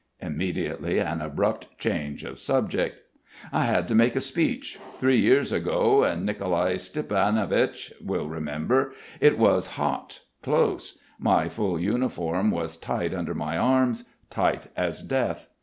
Immediately an abrupt change of subject. "I had to make the speech; three years ago. Nicolai Stiepanovich will remember. It was hot, close. My full uniform was tight under my arms, tight as death.